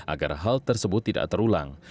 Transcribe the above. agar hal tersebut tidak terulang